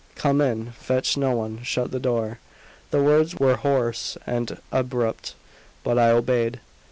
"Come in. Fetch no one. Shut the door." The words were hoarse and abrupt, but I obeyed.